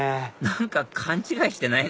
何か勘違いしてない？